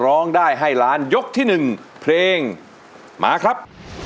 ร้องได้ให้ล้านยกที่๑เพลงมาครับ